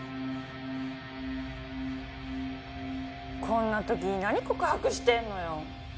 こんな時に何告白してんのよ。